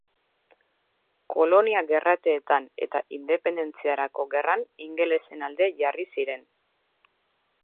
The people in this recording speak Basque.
Kolonia-gerrateetan eta independentziarako gerran ingelesen alde jarri ziren.